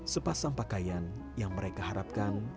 sepasang pakaian yang mereka harapkan